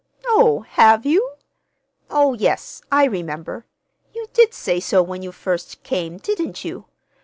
"Oh, have you? Oh, yes, I remember. You did say so when you first came, didn't you?